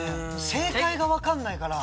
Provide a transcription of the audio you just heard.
正解が分かんないから。